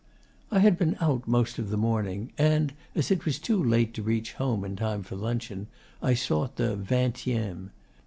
I had been out most of the morning, and, as it was too late to reach home in time for luncheon, I sought 'the Vingtieme.